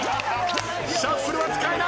シャッフルは使えない！